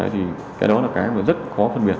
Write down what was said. thì cái đó là cái mà rất khó phân biệt